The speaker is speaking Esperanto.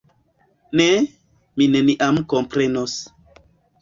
Ne, mi neniam komprenos.